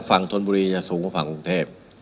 ฝั่งธนบุรีจะสูงกว่าฝั่งกรุงเทพ